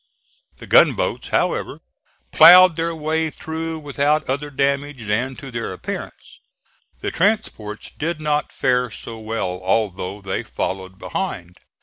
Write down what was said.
The gunboats, however, ploughed their way through without other damage than to their appearance. The transports did not fare so well although they followed behind.